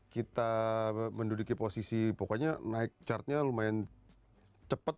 kita menduduki posisi pokoknya naik chartnya lumayan cepat